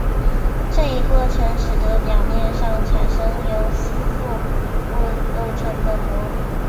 这一过程使得表面上产生由吸附物构成的膜。